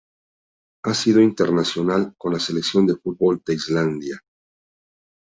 Ha sido internacional con la selección de fútbol de Islandia.